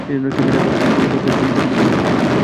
সেজন্য একটি বিরাট অগ্নিকুণ্ড প্রজ্বলিত করতে হবে।